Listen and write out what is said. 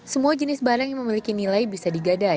semua jenis barang yang memiliki nilai bisa digadai